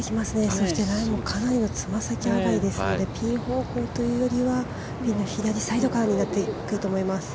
そしてライも爪先上がりになりますのでピン方向というよりは、左サイドからになってくると思います。